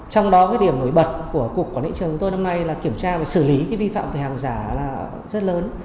trong đó điểm nổi bật của cục quản lý trường tối năm nay là kiểm tra và xử lý vi phạm về hàng giả rất lớn